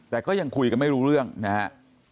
แต่ก็ยังคุยกันไม่รู้เรื่องนะฮะ